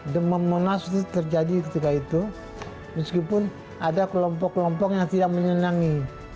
demam monas itu terjadi ketika itu meskipun ada kelompok kelompok yang tidak menyenangi